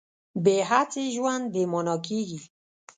بې هڅې ژوند بې مانا کېږي.